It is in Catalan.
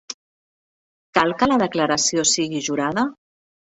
Cal que la declaració sigui jurada?